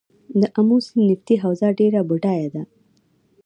د امو سیند نفتي حوزه ډیره بډایه ده